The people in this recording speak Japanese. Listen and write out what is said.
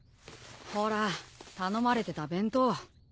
ほら頼まれてた弁当。